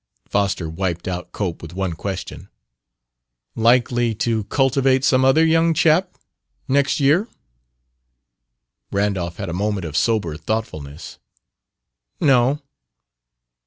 Foster wiped out Cope with one question. "Likely to 'cultivate' some other young chap, next year?" Randolph had a moment of sober thoughtfulness. "No."